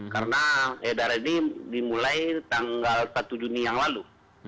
karena edaran ini dimulai tanggal satu juni yang lalu